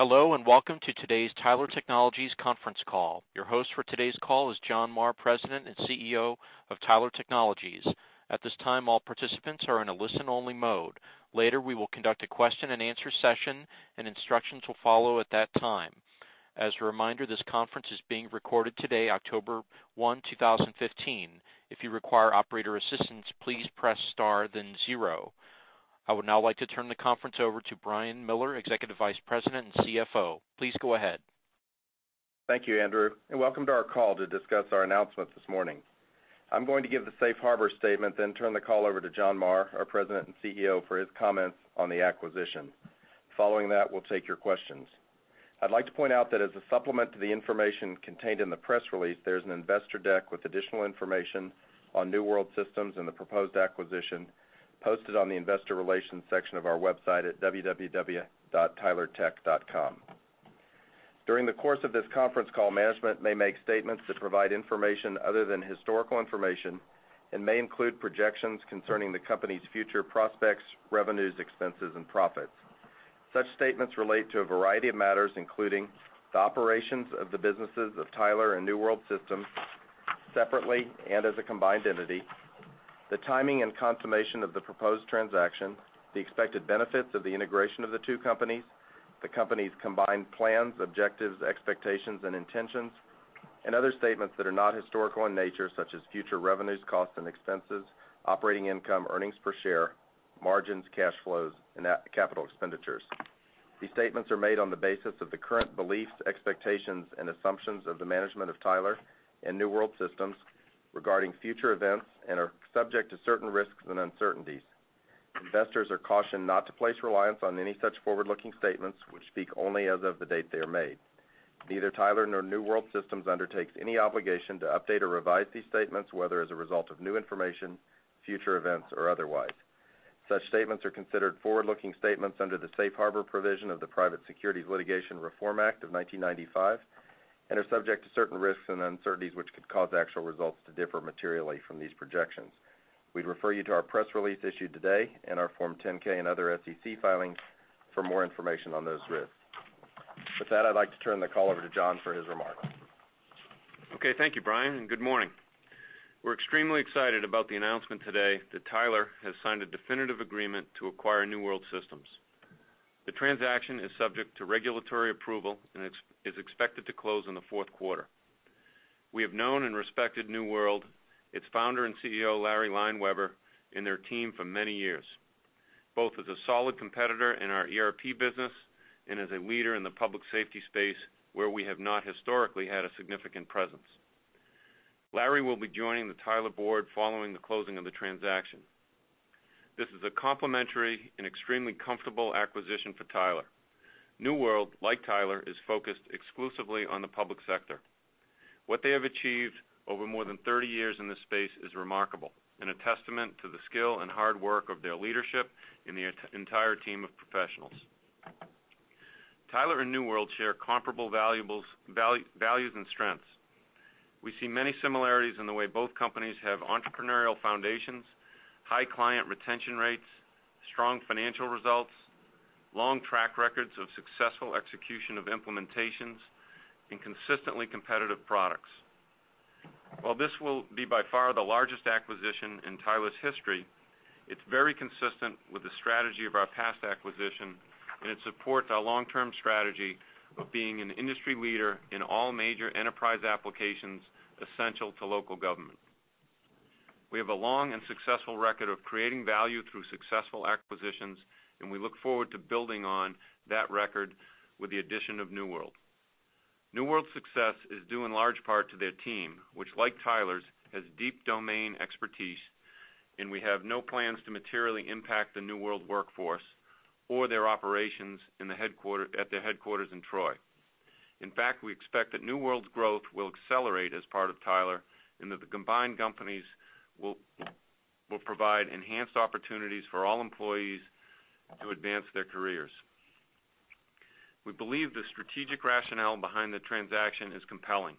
Hello, welcome to today's Tyler Technologies conference call. Your host for today's call is John Marr, President and CEO of Tyler Technologies. At this time, all participants are in a listen-only mode. Later, we will conduct a question and answer session, instructions follow at that time. As a reminder, this conference is being recorded today, October 1, 2015. If you require operator assistance, please press star then zero. I would now like to turn the conference over to Brian Miller, Executive Vice President and CFO. Please go ahead. Thank you, Andrew, welcome to our call to discuss our announcements this morning. I'm going to give the safe harbor statement, turn the call over to John Marr, our President and CEO, for his comments on the acquisition. Following that, we'll take your questions. I'd like to point out that as a supplement to the information contained in the press release, there's an investor deck with additional information on New World Systems and the proposed acquisition posted on the investor relations section of our website at www.tylertech.com. During the course of this conference call, management may make statements that provide information other than historical information and may include projections concerning the company's future prospects, revenues, expenses, and profits. Such statements relate to a variety of matters, including the operations of the businesses of Tyler and New World Systems, separately and as a combined entity, the timing and confirmation of the proposed transaction, the expected benefits of the integration of the two companies, the companies' combined plans, objectives, expectations, and intentions, and other statements that are not historical in nature, such as future revenues, costs and expenses, operating income, earnings per share, margins, cash flows, and capital expenditures. These statements are made on the basis of the current beliefs, expectations, and assumptions of the management of Tyler and New World Systems regarding future events and are subject to certain risks and uncertainties. Investors are cautioned not to place reliance on any such forward-looking statements, which speak only as of the date they are made. Neither Tyler nor New World Systems undertakes any obligation to update or revise these statements, whether as a result of new information, future events, or otherwise. Such statements are considered forward-looking statements under the safe harbor provision of the Private Securities Litigation Reform Act of 1995 and are subject to certain risks and uncertainties which could cause actual results to differ materially from these projections. We'd refer you to our press release issued today and our Form 10-K and other SEC filings for more information on those risks. With that, I'd like to turn the call over to John for his remarks. Okay. Thank you, Brian, and good morning. We're extremely excited about the announcement today that Tyler has signed a definitive agreement to acquire New World Systems. The transaction is subject to regulatory approval and is expected to close in the fourth quarter. We have known and respected New World, its founder and CEO, Larry Leinweber, and their team for many years, both as a solid competitor in our ERP business and as a leader in the public safety space, where we have not historically had a significant presence. Larry will be joining the Tyler board following the closing of the transaction. This is a complementary and extremely comfortable acquisition for Tyler. New World, like Tyler, is focused exclusively on the public sector. What they have achieved over more than 30 years in this space is remarkable and a testament to the skill and hard work of their leadership and the entire team of professionals. Tyler and New World share comparable values and strengths. We see many similarities in the way both companies have entrepreneurial foundations, high client retention rates, strong financial results, long track records of successful execution of implementations, and consistently competitive products. While this will be by far the largest acquisition in Tyler's history, it's very consistent with the strategy of our past acquisition, it supports our long-term strategy of being an industry leader in all major enterprise applications essential to local government. We have a long and successful record of creating value through successful acquisitions, and we look forward to building on that record with the addition of New World. New World's success is due in large part to their team, which, like Tyler's, has deep domain expertise, we have no plans to materially impact the New World workforce or their operations at their headquarters in Troy. In fact, we expect that New World's growth will accelerate as part of Tyler and that the combined companies will provide enhanced opportunities for all employees to advance their careers. We believe the strategic rationale behind the transaction is compelling.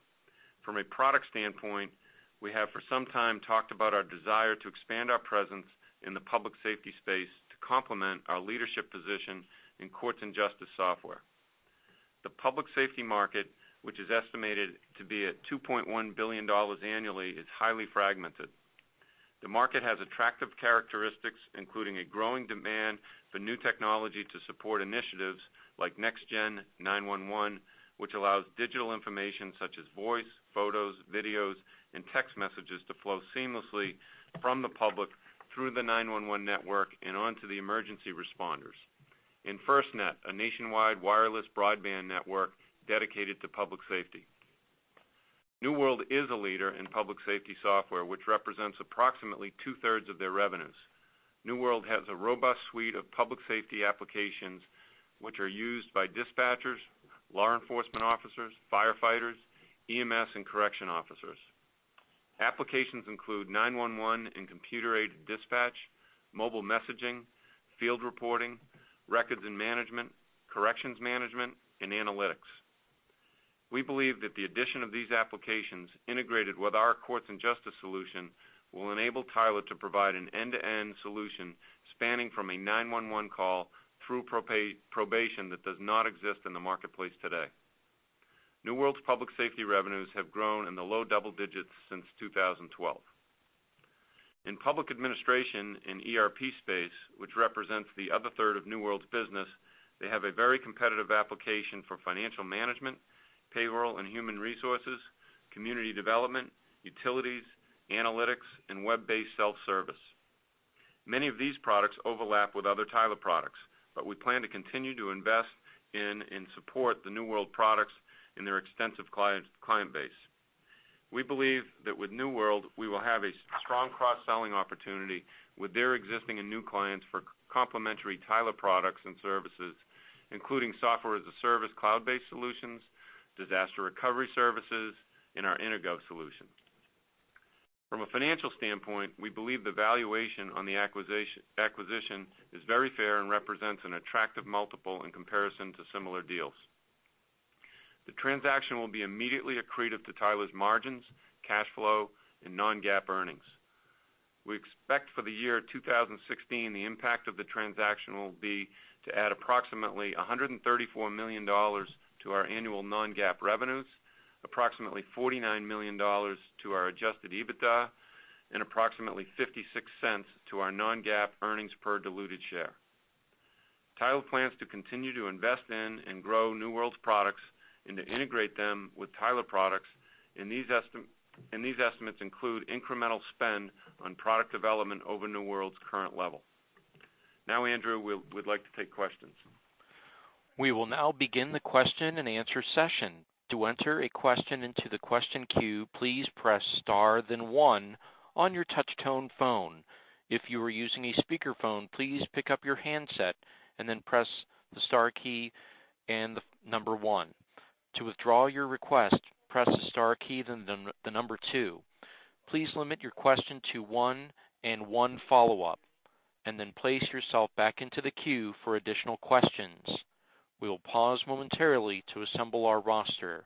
From a product standpoint, we have for some time talked about our desire to expand our presence in the public safety space to complement our leadership position in courts and justice software. The public safety market, which is estimated to be at $2.1 billion annually, is highly fragmented. The market has attractive characteristics, including a growing demand for new technology to support initiatives like NextGen 911, which allows digital information such as voice, photos, videos, and text messages to flow seamlessly from the public through the 911 network and on to the emergency responders. FirstNet, a nationwide wireless broadband network dedicated to public safety. New World is a leader in public safety software, which represents approximately two-thirds of their revenues. New World has a robust suite of public safety applications, which are used by dispatchers, law enforcement officers, firefighters, EMS, and correction officers. Applications include 911 and computer-aided dispatch, mobile messaging, field reporting, records and management, corrections management, and analytics. We believe that the addition of these applications integrated with our courts and justice solution will enable Tyler to provide an end-to-end solution spanning from a 911 call through probation that does not exist in the marketplace today. New World's public safety revenues have grown in the low double digits since 2012. In public administration and ERP space, which represents the other third of New World's business, they have a very competitive application for financial management, payroll and human resources, community development, utilities, analytics, and web-based self-service. Many of these products overlap with other Tyler products, but we plan to continue to invest in and support the New World products and their extensive client base. We believe that with New World, we will have a strong cross-selling opportunity with their existing and new clients for complementary Tyler products and services, including software-as-a-service, cloud-based solutions, disaster recovery services, and our Intergov solution. From a financial standpoint, we believe the valuation on the acquisition is very fair and represents an attractive multiple in comparison to similar deals. The transaction will be immediately accretive to Tyler's margins, cash flow, and non-GAAP earnings. We expect for the year 2016, the impact of the transaction will be to add approximately $134 million to our annual non-GAAP revenues, approximately $49 million to our adjusted EBITDA, and approximately $0.56 to our non-GAAP earnings per diluted share. Tyler plans to continue to invest in and grow New World's products and to integrate them with Tyler products, and these estimates include incremental spend on product development over New World's current level. Now, Andrew, we'd like to take questions. We will now begin the question-and-answer session. To enter a question into the question queue, please press star then one on your touch tone phone. If you are using a speakerphone, please pick up your handset and then press the star key and the number one. To withdraw your request, press the star key then the number two. Please limit your question to one and one follow-up, and then place yourself back into the queue for additional questions. We will pause momentarily to assemble our roster.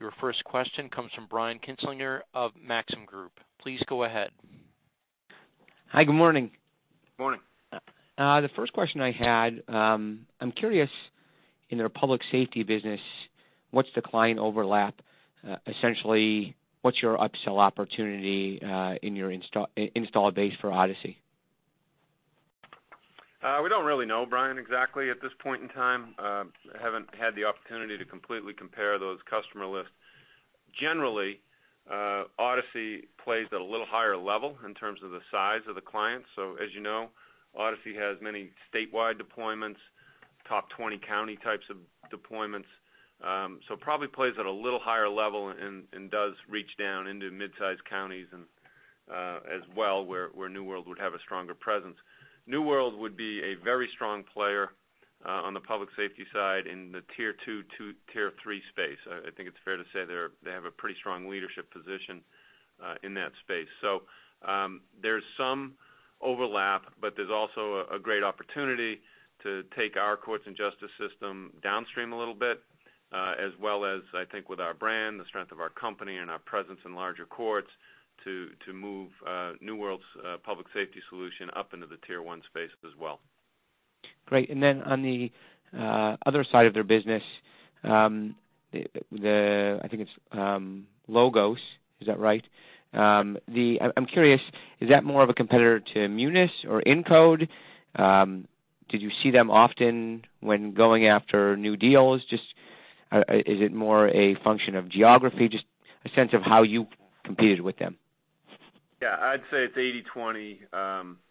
Your first question comes from Brian Kinstler of Maxim Group. Please go ahead. Hi, good morning. Morning. The first question I had, I'm curious, in their public safety business, what's the client overlap? Essentially, what's your upsell opportunity in your installed base for Odyssey? We don't really know, Brian, exactly at this point in time. I haven't had the opportunity to completely compare those customer lists. Generally, Odyssey plays at a little higher level in terms of the size of the client. As you know, Odyssey has many statewide deployments, top 20 county types of deployments. Probably plays at a little higher level and does reach down into mid-size counties and as well, where New World would have a stronger presence. New World would be a very strong player on the public safety side in the tier 2 to tier 3 space. I think it's fair to say they have a pretty strong leadership position in that space. There's some overlap, but there's also a great opportunity to take our courts and justice system downstream a little bit, as well as I think with our brand, the strength of our company, and our presence in larger courts to move New World's public safety solution up into the tier 1 space as well. Great. On the other side of their business, I think it's Logos, is that right? I'm curious, is that more of a competitor to Munis or Incode? Do you see them often when going after new deals? Is it more a function of geography? Just a sense of how you competed with them. Yeah, I'd say it's 80/20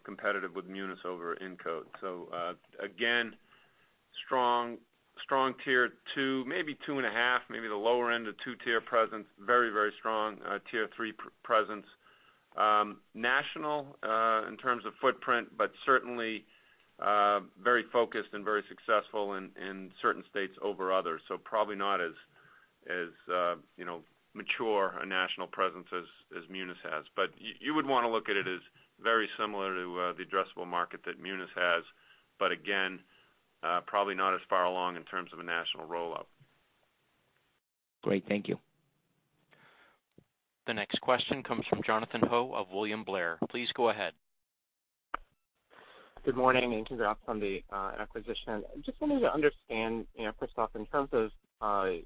competitive with Munis over Encode. Again, strong tier 2, maybe 2 and a half, maybe the lower end of 2-tier presence, very strong tier 3 presence. National in terms of footprint, but certainly very focused and very successful in certain states over others. Probably not as mature a national presence as Munis has. You would want to look at it as very similar to the addressable market that Munis has, but again, probably not as far along in terms of a national rollout. Great. Thank you. The next question comes from Jonathan Ho of William Blair. Please go ahead. Good morning, and congrats on the acquisition. Just wanted to understand, Chris, in terms of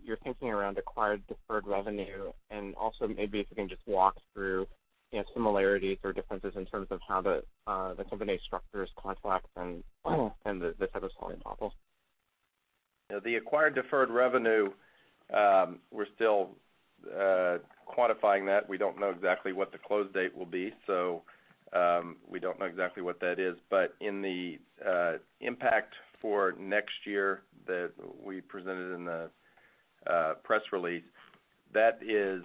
your thinking around acquired deferred revenue, and also maybe if you can just walk through similarities or differences in terms of how the company structures contracts and the type of selling models. The acquired deferred revenue, we're still quantifying that. We don't know exactly what the close date will be, so we don't know exactly what that is. In the impact for next year that we presented in the press release, that is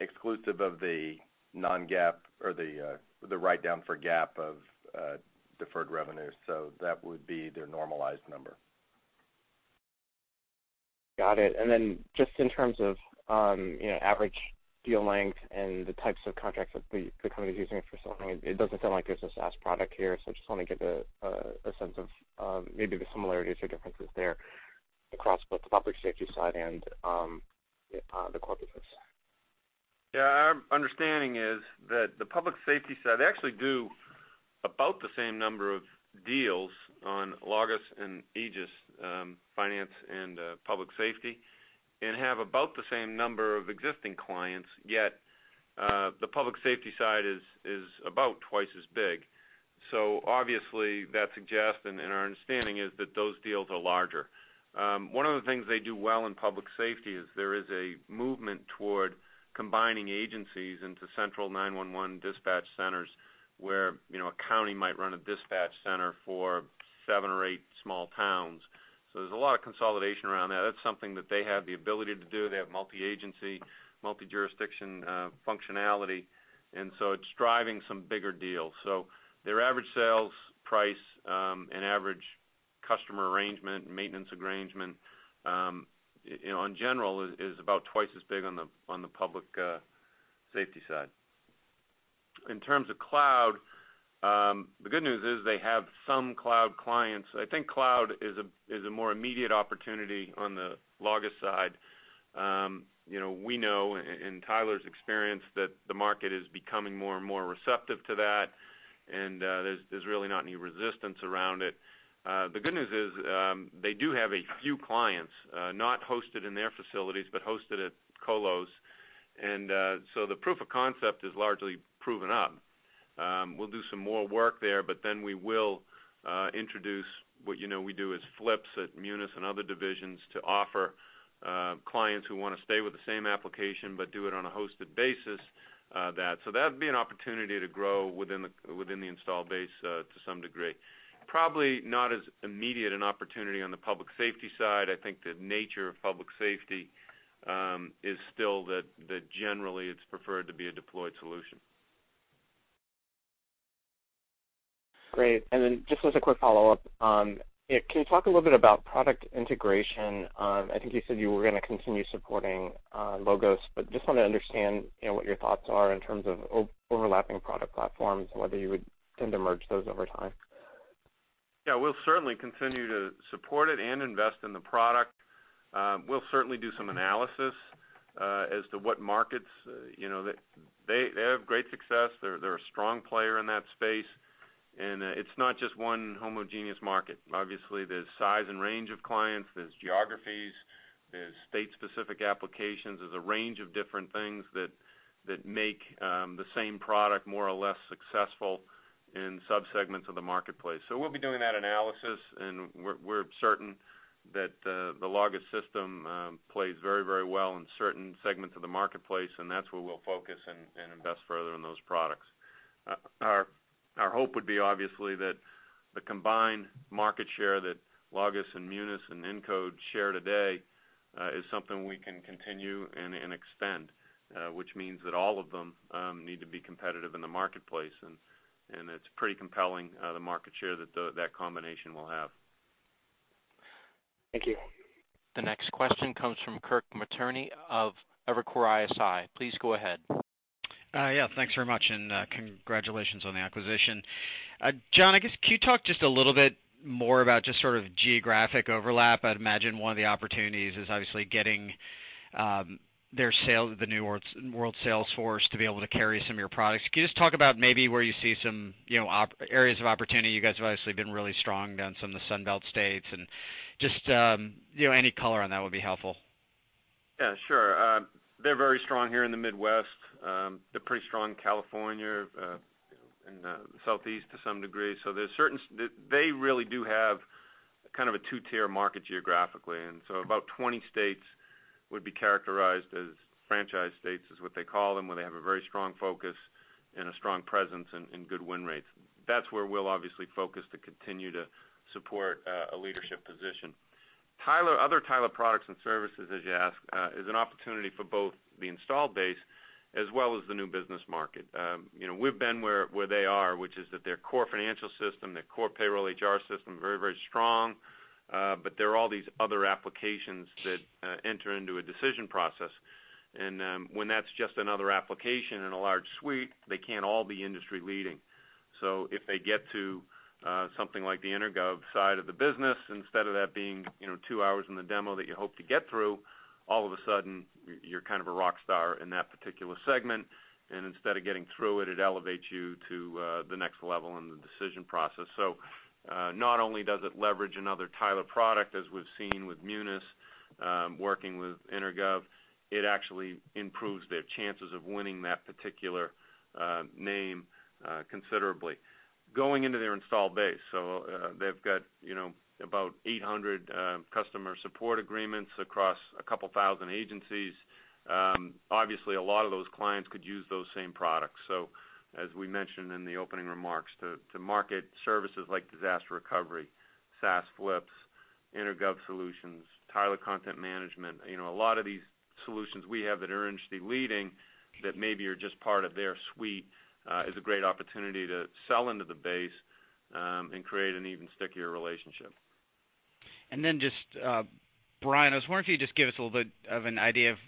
exclusive of the non-GAAP or the write-down for GAAP of deferred revenue, that would be their normalized number. Got it. Just in terms of average deal length and the types of contracts that the company is using for selling, it doesn't sound like there's a SaaS product here. I just want to get a sense of maybe the similarities or differences there across both the public safety side and the corporate side. Yeah. Our understanding is that the public safety side, they actually do about the same number of deals on Logos and Aegis Finance and Public Safety, and have about the same number of existing clients, yet the public safety side is about twice as big. Obviously that suggests, our understanding is that those deals are larger. One of the things they do well in public safety is there is a movement toward combining agencies into central 911 dispatch centers, where a county might run a dispatch center for seven or eight small towns. There's a lot of consolidation around that. That's something that they have the ability to do. They have multi-agency, multi-jurisdiction functionality, it's driving some bigger deals. Their average sales price and average customer arrangement, maintenance arrangement, in general, is about twice as big on the public safety side. In terms of cloud, the good news is they have some cloud clients. I think cloud is a more immediate opportunity on the Logos side. We know in Tyler's experience that the market is becoming more and more receptive to that, there's really not any resistance around it. The good news is, they do have a few clients, not hosted in their facilities, but hosted at colos. The proof of concept is largely proven up. We'll do some more work there, we will introduce what you know we do as flips at Munis and other divisions to offer clients who want to stay with the same application but do it on a hosted basis that. That'd be an opportunity to grow within the install base to some degree. Probably not as immediate an opportunity on the public safety side. I think the nature of public safety is still that generally it's preferred to be a deployed solution. Great. Just as a quick follow-up, can you talk a little bit about product integration? I think you said you were going to continue supporting Logos, just want to understand what your thoughts are in terms of overlapping product platforms, whether you would tend to merge those over time. Yeah, we'll certainly continue to support it and invest in the product. We'll certainly do some analysis as to what markets. They have great success. They're a strong player in that space. It's not just one homogeneous market. Obviously, there's size and range of clients. There's geographies, there's state-specific applications. There's a range of different things that make the same product more or less successful in subsegments of the marketplace. We'll be doing that analysis, and we're certain that the Logos system plays very well in certain segments of the marketplace, and that's where we'll focus and invest further in those products. Our hope would be, obviously, that the combined market share that Logos and Munis and Encode share today is something we can continue and extend, which means that all of them need to be competitive in the marketplace. It's pretty compelling, the market share that that combination will have. Thank you. The next question comes from Kirk Materne of Evercore ISI. Please go ahead. Thanks very much, congratulations on the acquisition. John, I guess, can you talk just a little bit more about just sort of geographic overlap? I'd imagine one of the opportunities is obviously getting the New World sales force to be able to carry some of your products. Can you just talk about maybe where you see some areas of opportunity? You guys have obviously been really strong down some of the Sun Belt states, just any color on that would be helpful. Yeah, sure. They're very strong here in the Midwest. They're pretty strong in California, in the Southeast to some degree. They really do have kind of a 2-tier market geographically, about 20 states would be characterized as franchise states, is what they call them, where they have a very strong focus and a strong presence and good win rates. That's where we'll obviously focus to continue to support a leadership position. Other Tyler products and services, as you ask, is an opportunity for both the installed base as well as the new business market. We've been where they are, which is that their core financial system, their core payroll HR system, very strong. There are all these other applications that enter into a decision process. When that's just another application in a large suite, they can't all be industry-leading. If they get to something like the Intergov side of the business, instead of that being two hours in the demo that you hope to get through, all of a sudden, you're kind of a rock star in that particular segment. Instead of getting through it elevates you to the next level in the decision process. Not only does it leverage another Tyler product, as we've seen with Munis working with Intergov, it actually improves their chances of winning that particular name considerably. Going into their install base. They've got about 800 customer support agreements across a couple thousand agencies. Obviously, a lot of those clients could use those same products. As we mentioned in the opening remarks, to market services like disaster recovery, SaaS flips, Intergov solutions, Tyler Content Manager, a lot of these solutions we have that are industry-leading that maybe are just part of their suite, is a great opportunity to sell into the base and create an even stickier relationship. Just, Brian, I was wondering if you could give us a little bit of an idea of,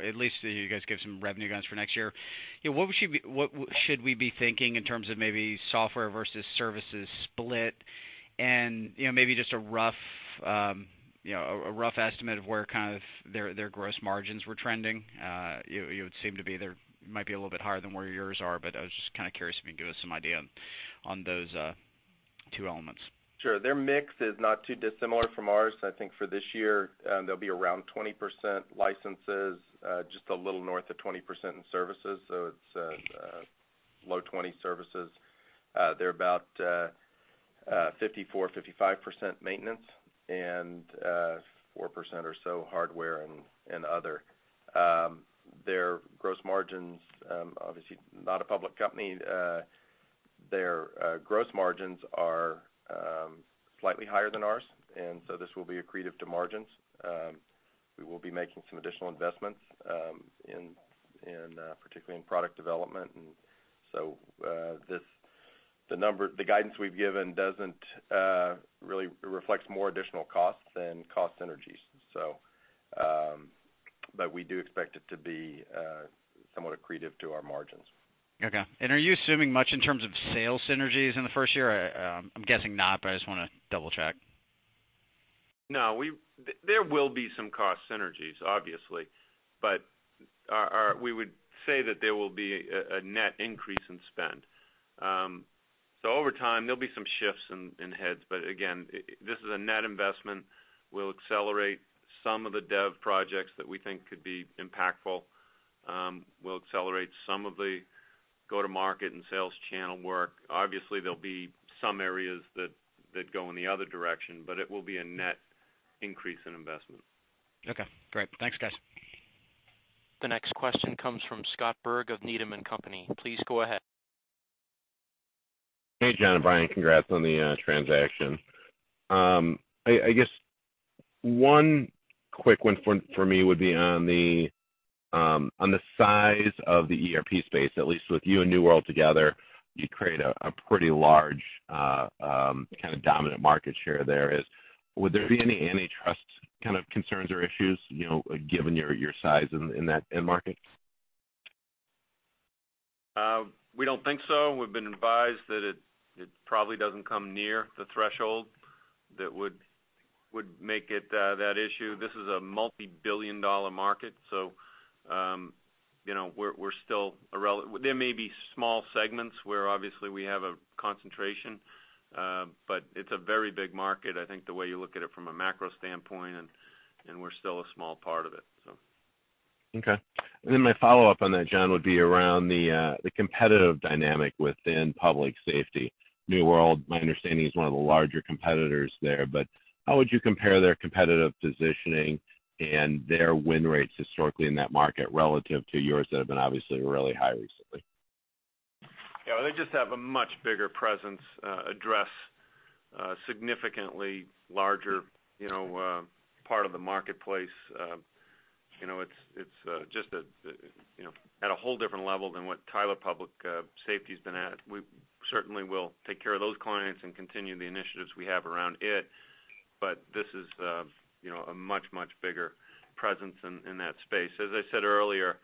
at least you guys give some revenue guidance for next year. What should we be thinking in terms of maybe software versus services split? Maybe just a rough estimate of where their gross margins were trending. You would seem to be, they might be a little bit higher than where yours are, but I was just kind of curious if you could give us some idea on those two elements. Sure. Their mix is not too dissimilar from ours. I think for this year, they'll be around 20% licenses, just a little north of 20% in services. It's low 20s services. They're about 54%-55% maintenance and 4% or so hardware and other. Their gross margins, obviously not a public company, their gross margins are slightly higher than ours. This will be accretive to margins. We will be making some additional investments, particularly in product development. The guidance we've given doesn't really reflect more additional costs than cost synergies. We do expect it to be somewhat accretive to our margins. Okay. Are you assuming much in terms of sales synergies in the first year? I'm guessing not, but I just want to double-check. No. There will be some cost synergies, obviously, but we would say that there will be a net increase in spend. Over time, there'll be some shifts in heads, but again, this is a net investment. We'll accelerate some of the dev projects that we think could be impactful. We'll accelerate some of the go-to-market and sales channel work. Obviously, there'll be some areas that go in the other direction, but it will be a net increase in investment. Okay, great. Thanks, guys. The next question comes from Scott Berg of Needham & Company. Please go ahead. Hey, John and Brian, congrats on the transaction. I guess one quick one for me would be on the size of the ERP space, at least with you and New World together, you create a pretty large kind of dominant market share there is. Would there be any antitrust kind of concerns or issues, given your size in that end market? We don't think so. We've been advised that it probably doesn't come near the threshold that would make it that issue. This is a multi-billion dollar market, there may be small segments where obviously we have a concentration, but it's a very big market, I think the way you look at it from a macro standpoint, we're still a small part of it. Okay. My follow-up on that, John, would be around the competitive dynamic within public safety. New World, my understanding, is one of the larger competitors there, but how would you compare their competitive positioning and their win rates historically in that market relative to yours that have been obviously really high recently? They just have a much bigger presence, address, significantly larger part of the marketplace. It's just at a whole different level than what Tyler Public Safety's been at. We certainly will take care of those clients and continue the initiatives we have around it. This is a much, much bigger presence in that space. As I said earlier,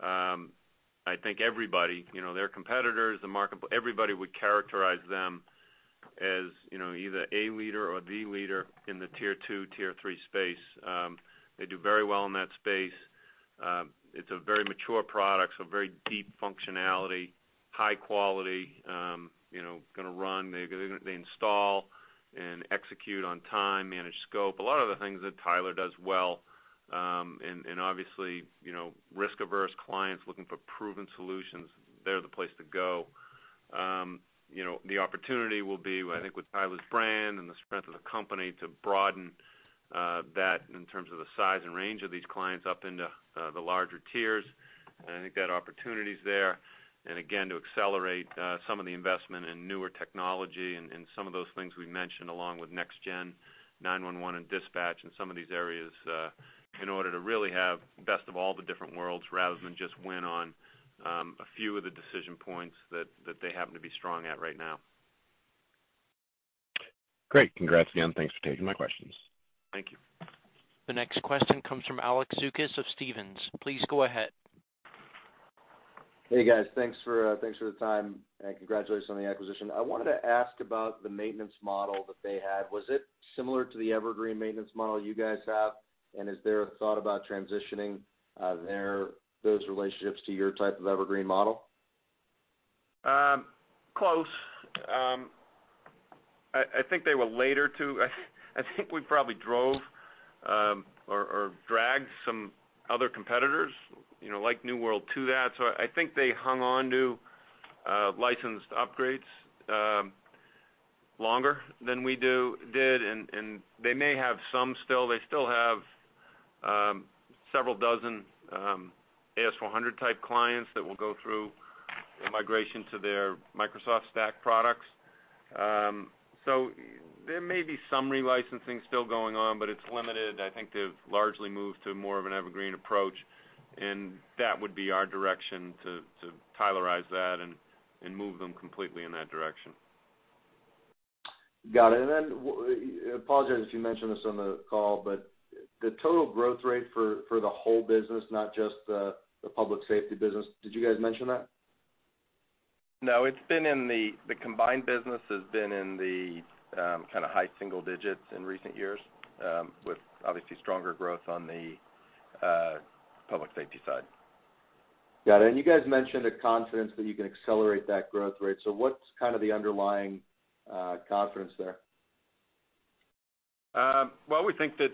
I think everybody, their competitors, the market, everybody would characterize them as either a leader or the leader in the tier 2, tier 3 space. They do very well in that space. It's a very mature product, very deep functionality, high quality, going to run. They install and execute on time, manage scope, a lot of the things that Tyler does well. Obviously, risk-averse clients looking for proven solutions, they're the place to go. The opportunity will be, I think, with Tyler's brand and the strength of the company to broaden that in terms of the size and range of these clients up into the larger tiers. I think that opportunity's there. Again, to accelerate some of the investment in newer technology and some of those things we mentioned along with NextGen 911 and dispatch and some of these areas in order to really have best of all the different worlds rather than just win on a few of the decision points that they happen to be strong at right now. Great. Congrats again. Thanks for taking my questions. Thank you. The next question comes from Alex Zukin of Stephens. Please go ahead. Hey, guys. Thanks for the time. Congratulations on the acquisition. I wanted to ask about the maintenance model that they had. Was it similar to the evergreen maintenance model you guys have? Is there a thought about transitioning those relationships to your type of evergreen model? Close. I think they were later. I think we probably drove or dragged some other competitors, like New World, to that. I think they hung on to licensed upgrades longer than we did, and they may have some still. They still have several dozen AS400 type clients that will go through a migration to their Microsoft stack products. There may be some relicensing still going on, but it's limited. I think they've largely moved to more of an evergreen approach, and that would be our direction to Tylerize that and move them completely in that direction. Got it. Then, apologize if you mentioned this on the call, but the total growth rate for the whole business, not just the public safety business, did you guys mention that? No, the combined business has been in the high single digits in recent years, with obviously stronger growth on the public safety side. You guys mentioned a confidence that you can accelerate that growth rate. What's the underlying confidence there? Well, we think that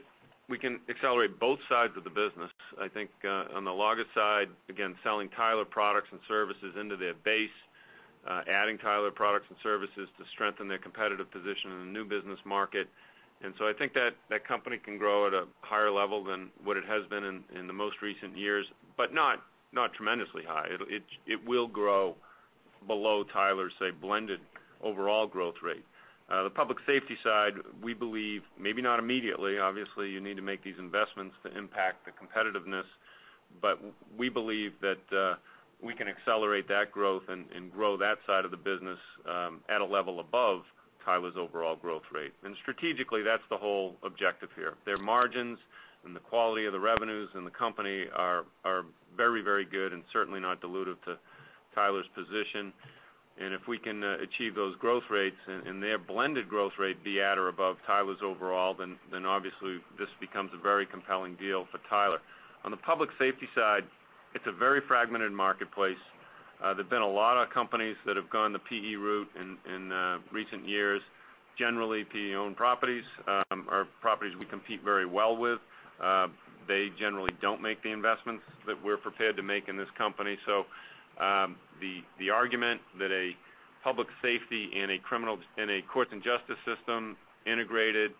we can accelerate both sides of the business. I think, on the Logos side, again, selling Tyler products and services into their base, adding Tyler products and services to strengthen their competitive position in the new business market. I think that that company can grow at a higher level than what it has been in the most recent years, but not tremendously high. It will grow below Tyler's, say, blended overall growth rate. The public safety side, we believe, maybe not immediately, obviously, you need to make these investments to impact the competitiveness, but we believe that we can accelerate that growth and grow that side of the business at a level above Tyler's overall growth rate. Strategically, that's the whole objective here. Their margins and the quality of the revenues and the company are very good and certainly not dilutive to Tyler's position. If we can achieve those growth rates and their blended growth rate be at or above Tyler's overall, then obviously this becomes a very compelling deal for Tyler. On the public safety side, it's a very fragmented marketplace. There's been a lot of companies that have gone the PE route in recent years. Generally, PE-owned properties are properties we compete very well with. They generally don't make the investments that we're prepared to make in this company. The argument that a public safety and a courts and justice system integrated,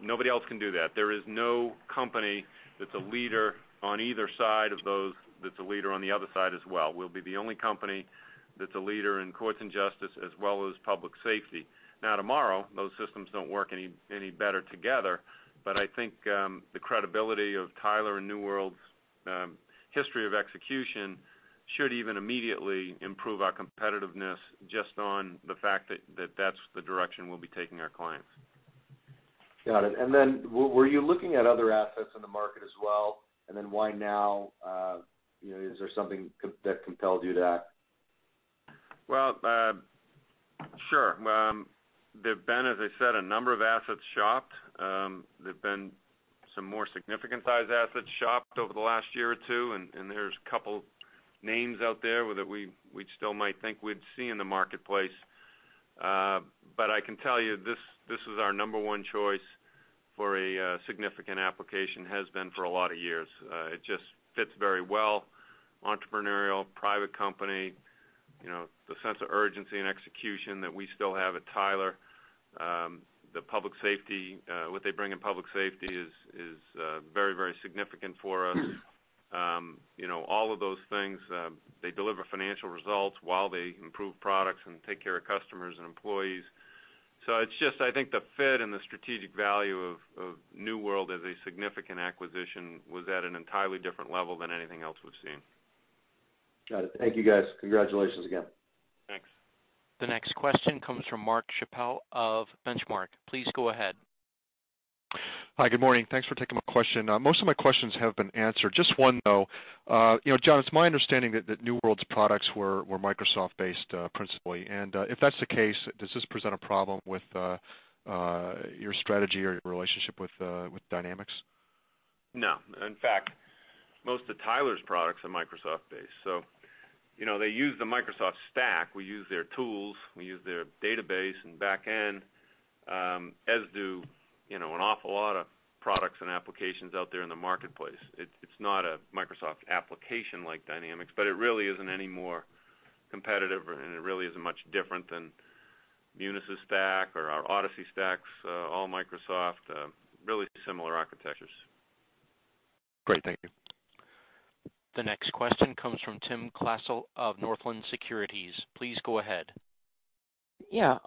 nobody else can do that. There is no company that's a leader on either side of those that's a leader on the other side as well. We'll be the only company that's a leader in courts and justice, as well as public safety. Tomorrow, those systems don't work any better together, but I think the credibility of Tyler and New World's history of execution should even immediately improve our competitiveness just on the fact that that's the direction we'll be taking our clients. Got it. Then were you looking at other assets in the market as well? Then why now? Is there something that compelled you to that? Well, sure. There've been, as I said, a number of assets shopped. There've been some more significant size assets shopped over the last year or two, and there's a couple names out there that we still might think we'd see in the marketplace. I can tell you, this was our number one choice for a significant application, has been for a lot of years. It just fits very well. Entrepreneurial, private company, the sense of urgency and execution that we still have at Tyler. What they bring in public safety is very significant for us. All of those things. They deliver financial results while they improve products and take care of customers and employees. It's just, I think the fit and the strategic value of New World as a significant acquisition was at an entirely different level than anything else we've seen. Got it. Thank you, guys. Congratulations again. Thanks. The next question comes from Mark Schappel of Benchmark. Please go ahead. Hi. Good morning. Thanks for taking my question. Most of my questions have been answered. Just one, though. John, it's my understanding that New World's products were Microsoft-based, principally. If that's the case, does this present a problem with your strategy or your relationship with Dynamics? No. In fact, most of Tyler's products are Microsoft-based, so they use the Microsoft stack. We use their tools, we use their database and back end, as do an awful lot of products and applications out there in the marketplace. It's not a Microsoft application like Dynamics, but it really isn't any more competitive, and it really isn't much different than Munis' stack or our Odyssey stacks, all Microsoft. Really similar architectures. Great. Thank you. The next question comes from Timothy Klasell of Northland Securities. Please go ahead. Yeah.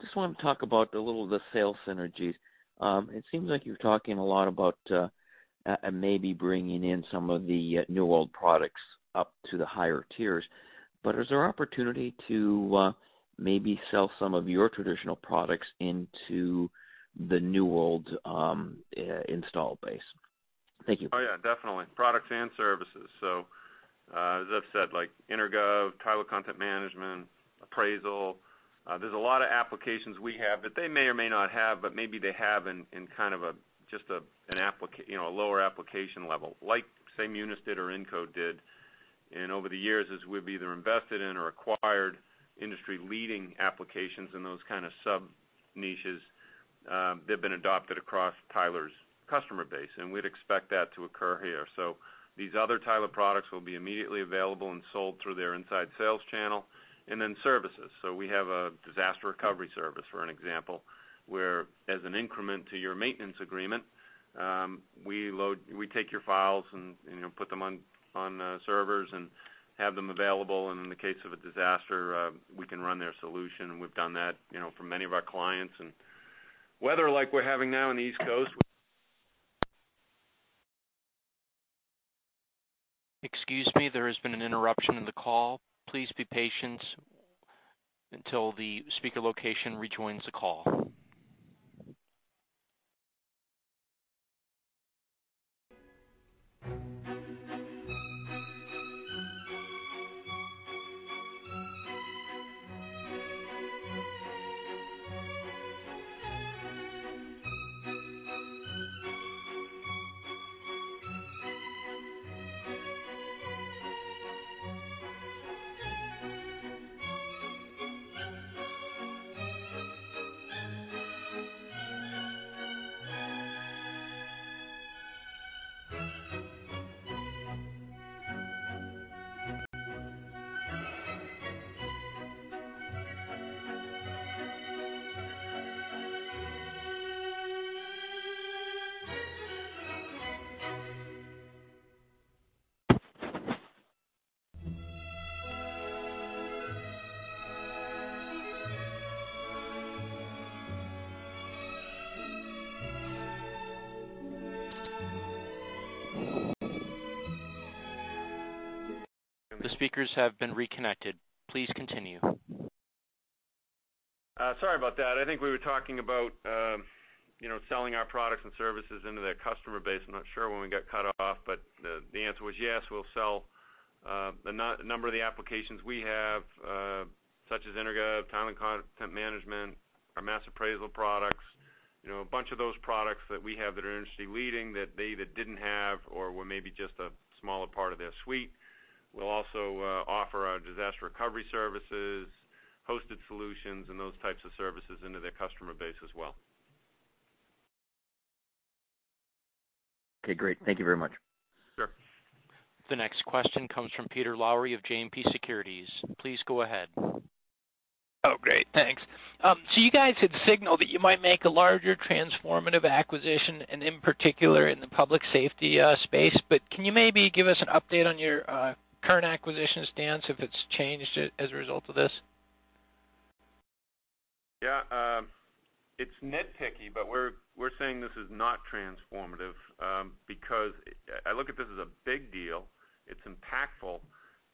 Just wanted to talk about a little of the sales synergies. It seems like you're talking a lot about maybe bringing in some of the New World products up to the higher tiers, but is there opportunity to maybe sell some of your traditional products into the New World's install base? Thank you. Oh, yeah. Definitely. Products and services. As I've said, like Intergov, Tyler Content Manager, Appraisal, there's a lot of applications we have that they may or may not have, but maybe they have in kind of just a lower application level, like, say, Munis did or Incode did. Over the years, as we've either invested in or acquired industry-leading applications in those kind of sub-niches, they've been adopted across Tyler's customer base, and we'd expect that to occur here. These other Tyler products will be immediately available and sold through their inside sales channel. Then services. We have a disaster recovery service, for an example, where as an increment to your maintenance agreement, we take your files and put them on servers and have them available. In the case of a disaster, we can run their solution. We've done that for many of our clients. Weather like we're having now on the East Coast. Excuse me, there has been an interruption in the call. Please be patient until the speaker location rejoins the call. The speakers have been reconnected. Please continue. Sorry about that. I think we were talking about selling our products and services into their customer base. I'm not sure when we got cut off, but the answer was yes, we'll sell a number of the applications we have, such as Intergov, talent and content management, our mass appraisal products, a bunch of those products that we have that are industry leading that they either didn't have or were maybe just a smaller part of their suite. We'll also offer our disaster recovery services, hosted solutions, and those types of services into their customer base as well. Okay, great. Thank you very much. Sure. The next question comes from Peter Lowry of JMP Securities. Please go ahead. Great. Thanks. You guys had signaled that you might make a larger transformative acquisition and in particular in the public safety space, but can you maybe give us an update on your current acquisition stance, if it's changed as a result of this? Yeah. It's nitpicky, but we're saying this is not transformative because I look at this as a big deal. It's impactful,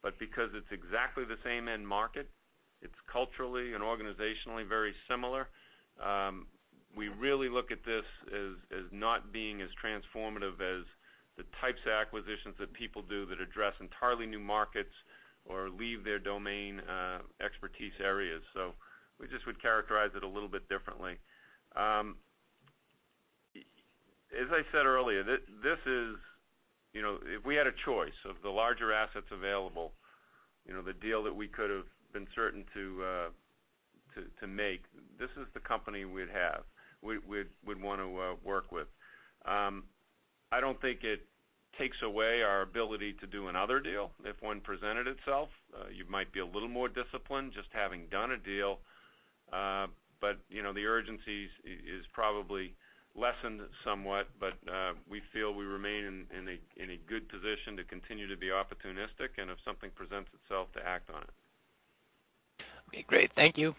but because it's exactly the same end market, it's culturally and organizationally very similar. We really look at this as not being as transformative as the types of acquisitions that people do that address entirely new markets or leave their domain expertise areas. We just would characterize it a little bit differently. As I said earlier, if we had a choice of the larger assets available, the deal that we could have been certain to make, this is the company we'd have, we'd want to work with. I don't think it takes away our ability to do another deal, if one presented itself. You might be a little more disciplined just having done a deal. The urgency is probably lessened somewhat, but we feel we remain in a good position to continue to be opportunistic and if something presents itself, to act on it. Okay, great. Thank you.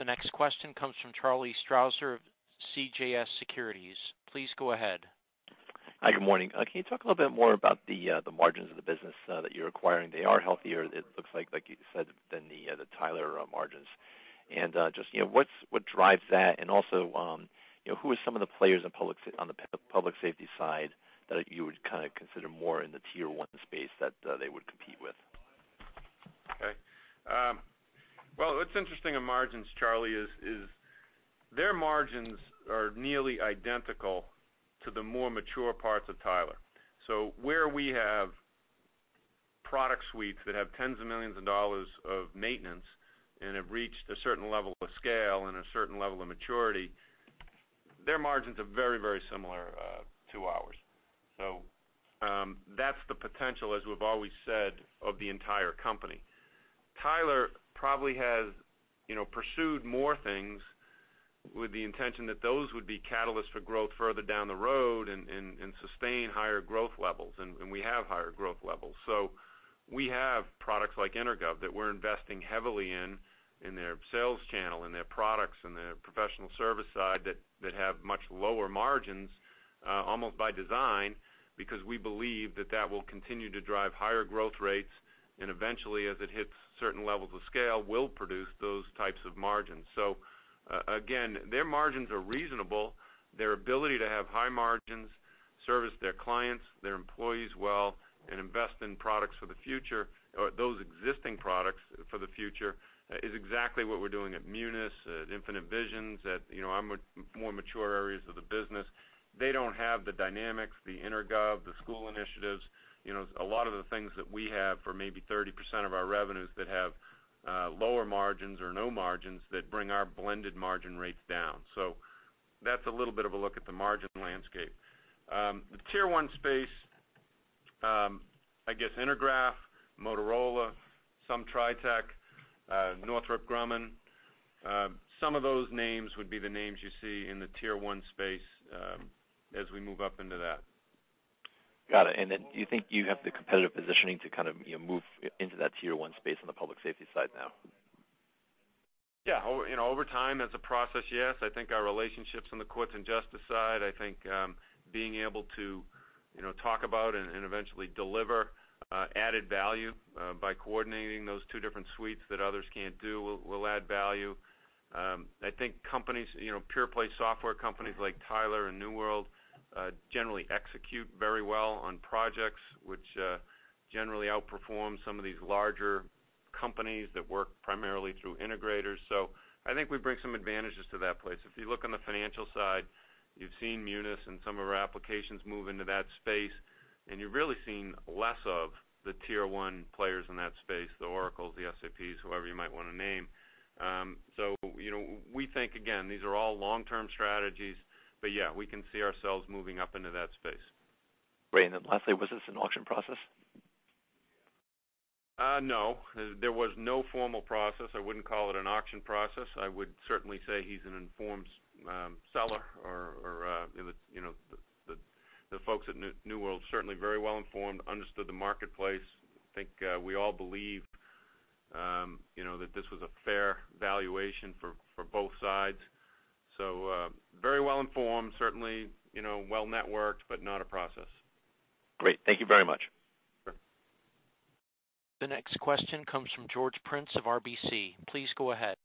The next question comes from Charles Strauzer of CJS Securities. Please go ahead. Hi, good morning. Can you talk a little bit more about the margins of the business that you're acquiring? They are healthier, it looks like you said, than the Tyler margins. Just what drives that? Also, who are some of the players on the public safety side that you would consider more in the tier 1 space that they would compete with? Okay. Well, what's interesting in margins, Charlie, is their margins are nearly identical to the more mature parts of Tyler. Where we have product suites that have tens of millions of dollars of maintenance and have reached a certain level of scale and a certain level of maturity, their margins are very similar to ours. That's the potential, as we've always said, of the entire company. Tyler probably has pursued more things with the intention that those would be catalysts for growth further down the road and sustain higher growth levels, and we have higher growth levels. We have products like Intergov that we're investing heavily in their sales channel, in their products, in their professional service side that have much lower margins, almost by design, because we believe that that will continue to drive higher growth rates and eventually, as it hits certain levels of scale, will produce those types of margins. Again, their margins are reasonable. Their ability to have high margins, service their clients, their employees well, and invest in products for the future, or those existing products for the future, is exactly what we're doing at Munis, at Infinite Visions, at more mature areas of the business. They don't have the dynamics, the Intergov, the school initiatives, a lot of the things that we have for maybe 30% of our revenues that have lower margins or no margins that bring our blended margin rates down. That's a little bit of a look at the margin landscape. The tier 1 space, I guess Intergraph, Motorola, some TriTech, Northrop Grumman, some of those names would be the names you see in the tier 1 space as we move up into that. Got it. Do you think you have the competitive positioning to move into that tier 1 space on the public safety side now? Over time, that's a process, yes. I think our relationships on the courts and justice side, I think being able to talk about and eventually deliver added value by coordinating those two different suites that others can't do will add value. I think pure play software companies like Tyler and New World generally execute very well on projects, which generally outperform some of these larger companies that work primarily through integrators. I think we bring some advantages to that place. If you look on the financial side, you've seen Munis and some of our applications move into that space, and you've really seen less of the tier 1 players in that space, the Oracles, the SAPs, whoever you might want to name. We think, again, these are all long-term strategies, but we can see ourselves moving up into that space. Great. Lastly, was this an auction process? No. There was no formal process. I wouldn't call it an auction process. I would certainly say he's an informed seller, or the folks at New World, certainly very well-informed, understood the marketplace. I think we all believe that this was a fair valuation for both sides. Very well-informed, certainly well-networked, but not a process. Great. Thank you very much. Sure. The next question comes from George Prince of RBC. Please go ahead.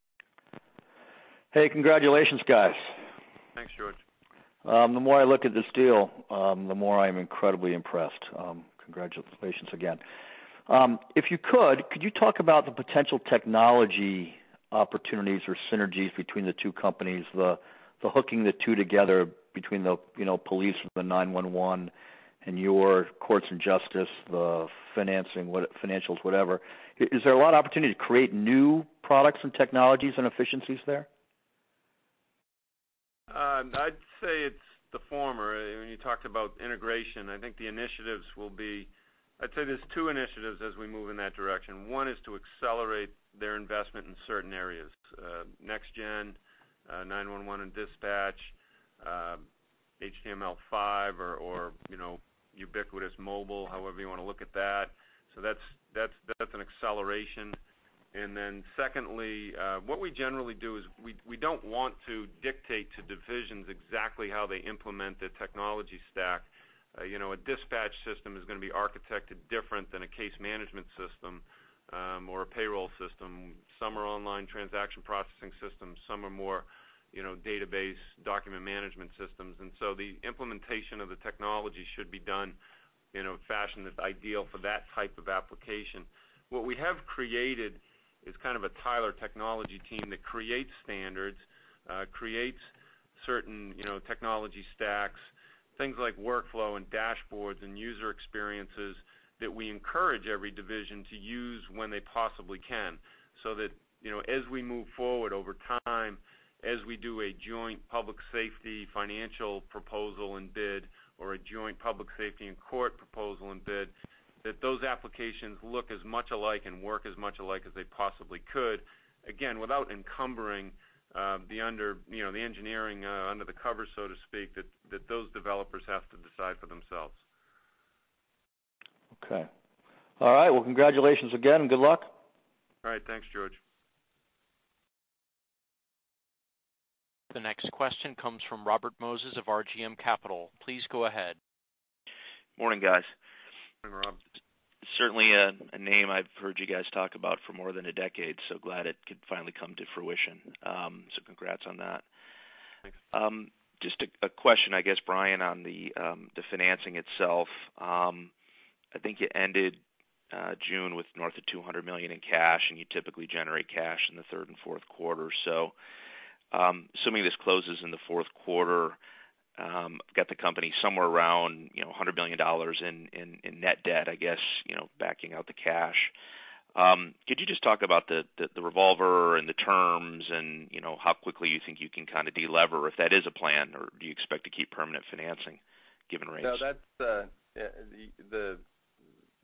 Hey, congratulations, guys. Thanks, George. The more I look at this deal, the more I am incredibly impressed. Congratulations again. If you could you talk about the potential technology opportunities or synergies between the two companies, the hooking the two together between the police with the 911 and your courts and justice, the financials, whatever. Is there a lot of opportunity to create new products and technologies and efficiencies there? I'd say it's the former. When you talked about integration, I think the initiatives I'd say there's two initiatives as we move in that direction. One is to accelerate their investment in certain areas. NextGen 911 and dispatch, HTML5 or ubiquitous mobile, however you want to look at that. That's an acceleration, and then secondly, what we generally do is we don't want to dictate to divisions exactly how they implement the technology stack. A dispatch system is going to be architected different than a case management system, or a payroll system. Some are online transaction processing systems. Some are more database document management systems. The implementation of the technology should be done in a fashion that's ideal for that type of application. What we have created is kind of a Tyler technology team that creates standards, creates certain technology stacks, things like workflow and dashboards and user experiences that we encourage every division to use when they possibly can. That as we move forward over time, as we do a joint public safety financial proposal and bid, or a joint public safety and court proposal and bid, that those applications look as much alike and work as much alike as they possibly could, again, without encumbering the engineering under the covers, so to speak, that those developers have to decide for themselves. Okay. All right, well, congratulations again, and good luck. All right. Thanks, George. The next question comes from Robert Moses of RGM Capital. Please go ahead. Morning, guys. Morning, Rob. Certainly a name I've heard you guys talk about for more than a decade, glad it could finally come to fruition. Congrats on that. Thanks. Just a question, I guess, Brian, on the financing itself. I think you ended June with north of $200 million in cash, and you typically generate cash in the third and fourth quarter. Assuming this closes in the fourth quarter, I've got the company somewhere around $100 million in net debt, I guess, backing out the cash. Could you just talk about the revolver and the terms and how quickly you think you can kind of de-lever, if that is a plan, or do you expect to keep permanent financing given rates? No, the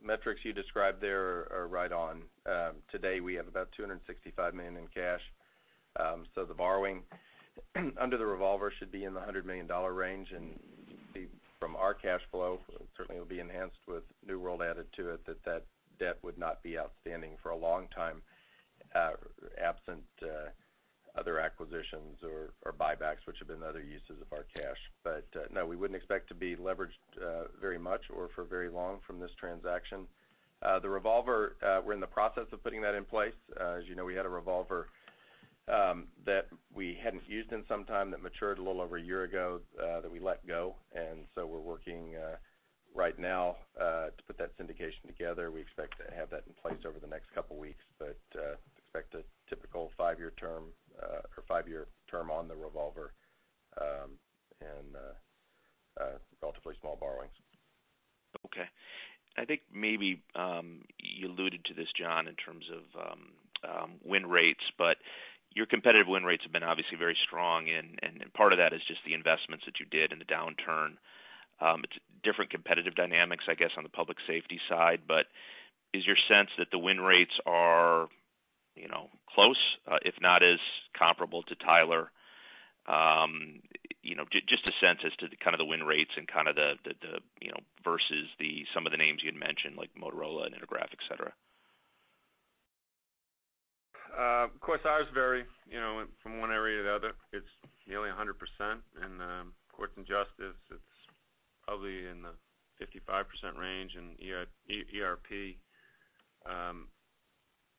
metrics you described there are right on. Today, we have about $265 million in cash. The borrowing under the revolver should be in the $100 million range, and from our cash flow, certainly will be enhanced with New World added to it, that that debt would not be outstanding for a long time, absent other acquisitions or buybacks, which have been other uses of our cash. No, we wouldn't expect to be leveraged very much or for very long from this transaction. The revolver, we're in the process of putting that in place. As you know, we had a revolver that we hadn't used in some time that matured a little over a year ago, that we let go, we're working right now to put that syndication together. We expect to have that in place over the next couple of weeks. Expect a typical five-year term on the revolver, and relatively small borrowings. Okay. I think maybe you alluded to this, John, in terms of win rates. Your competitive win rates have been obviously very strong, and part of that is just the investments that you did in the downturn. It's different competitive dynamics, I guess, on the public safety side. Is your sense that the win rates are close, if not as comparable to Tyler? Just a sense as to the win rates and the versus some of the names you had mentioned, like Motorola and Intergraph, et cetera. Of course, ours vary from one area to the other. It's nearly 100% in courts and justice. It's probably in the 55% range in ERP.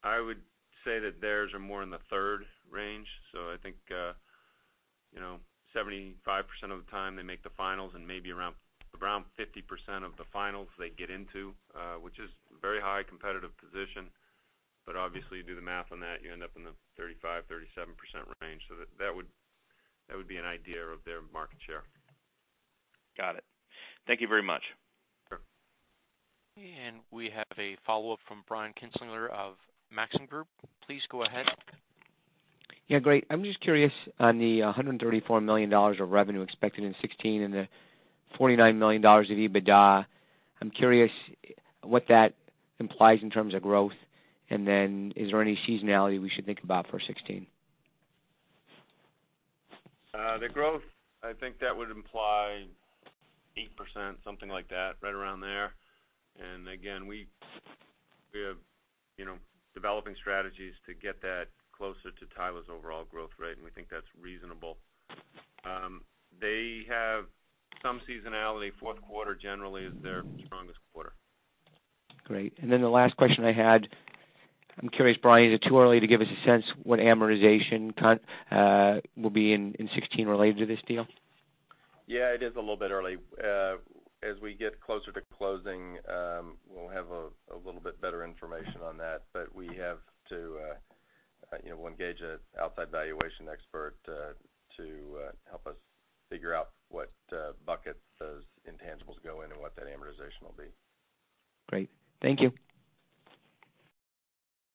I would say that theirs are more in the third range. I think 75% of the time they make the finals and maybe around 50% of the finals they get into, which is very high competitive position. Obviously, you do the math on that, you end up in the 35%-37% range. That would be an idea of their market share. Got it. Thank you very much. Sure. We have a follow-up from Brian Kinstler of Maxim Group. Please go ahead. Yeah, great. I'm just curious on the $134 million of revenue expected in 2016 and the $49 million of EBITDA. I'm curious what that implies in terms of growth. Is there any seasonality we should think about for 2016? The growth, I think that would imply 8%, something like that, right around there. Again, we have developing strategies to get that closer to Tyler's overall growth rate, and we think that's reasonable. They have some seasonality. Fourth quarter generally is their strongest quarter. Great. Then the last question I had, I'm curious, Brian, is it too early to give us a sense what amortization will be in 2016 related to this deal? It is a little bit early. As we get closer to closing, we'll have a little bit better information on that. We have to engage an outside valuation expert to help us figure out what buckets those intangibles go in and what that amortization will be. Great. Thank you.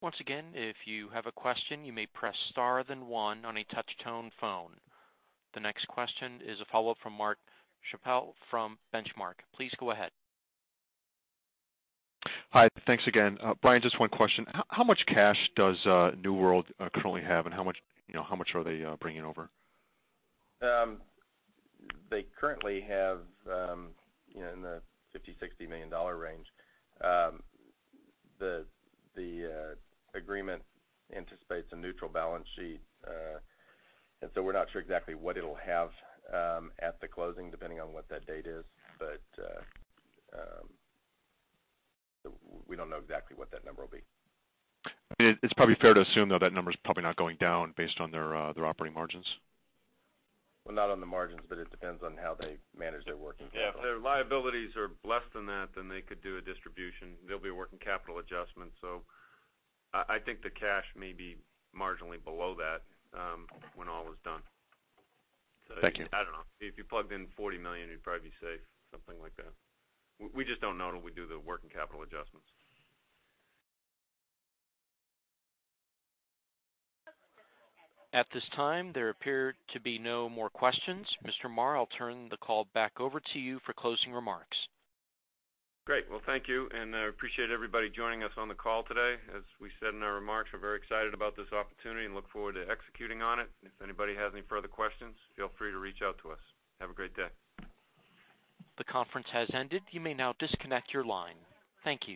Once again, if you have a question, you may press star then one on a touch-tone phone. The next question is a follow-up from Mark Schappel from Benchmark. Please go ahead. Hi. Thanks again. Brian, just one question. How much cash does New World currently have, and how much are they bringing over? They currently have in the $50 million-$60 million range. The agreement anticipates a neutral balance sheet. We're not sure exactly what it'll have at the closing, depending on what that date is. We don't know exactly what that number will be. It's probably fair to assume, though, that number's probably not going down based on their operating margins. Well, not on the margins, but it depends on how they manage their working capital. Yeah. If their liabilities are less than that, then they could do a distribution. There'll be a working capital adjustment. I think the cash may be marginally below that when all is done. Thank you. I don't know. If you plugged in $40 million, you'd probably be safe, something like that. We just don't know until we do the working capital adjustments. At this time, there appear to be no more questions. Mr. Marr, I'll turn the call back over to you for closing remarks. Great. Well, thank you, and I appreciate everybody joining us on the call today. As we said in our remarks, we're very excited about this opportunity and look forward to executing on it. If anybody has any further questions, feel free to reach out to us. Have a great day. The conference has ended. You may now disconnect your line. Thank you.